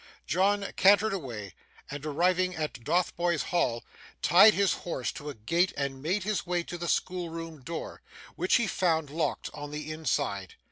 John cantered away, and arriving at Dotheboys Hall, tied his horse to a gate and made his way to the schoolroom door, which he found locked on the inside.